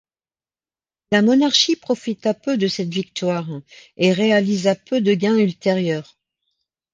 La monarchie profita peu de cette victoire, et réalisa peu de gains ultérieurs.